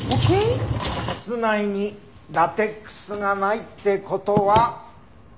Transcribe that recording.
室内にラテックスがないって事は。